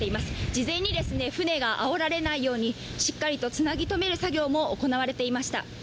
事前に船があおられないようにしっかりとつなぎ止める作業も行われていました。